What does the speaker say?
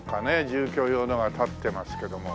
住居用のが立ってますけども。